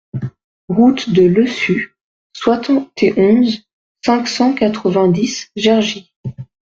Route de Lessu, soixante et onze, cinq cent quatre-vingt-dix Gergy